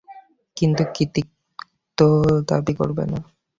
কিন্তু কৃতিত্ব দাবি করবে না।